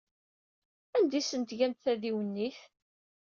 Anda ay asent-tgamt tadiwennit?